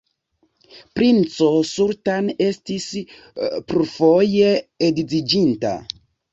Princo Sultan estis plurfoje edziĝinta.